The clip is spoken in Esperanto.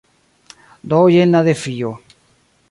Do jen la defio.